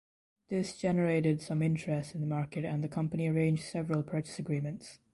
This generated some interest in the market and the company arranged several purchase agreements.